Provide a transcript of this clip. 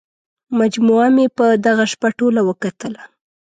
مجموعه مې په دغه شپه ټوله وکتله.